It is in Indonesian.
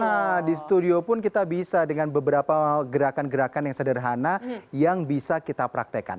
nah di studio pun kita bisa dengan beberapa gerakan gerakan yang sederhana yang bisa kita praktekkan